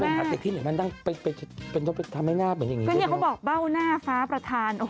พี่ม็อตอย่างนี้เขาบอกเบ้าหน้าฟ้าประธาน